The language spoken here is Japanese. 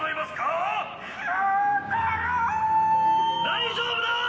大丈夫だ！